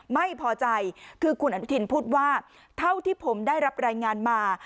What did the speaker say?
ไม่พอใจคือคุณอนุทินพูดว่าเท่าที่ผมได้รับรายงานมา